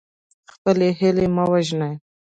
خپلې هیلې مه وژنئ.